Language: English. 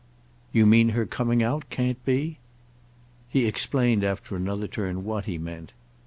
"You mean her coming out can't be?" He explained after another turn what he meant.